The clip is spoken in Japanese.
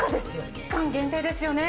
期間限定ですよね？